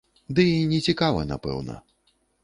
Ды і не цікава, напэўна.